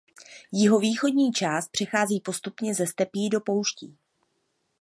Jihovýchodní část přechází postupně ze stepí do pouští.